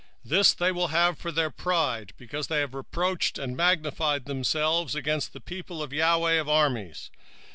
2:10 This shall they have for their pride, because they have reproached and magnified themselves against the people of the LORD of hosts.